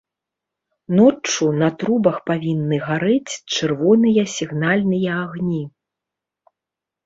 Ноччу на трубах павінны гарэць чырвоныя сігнальныя агні.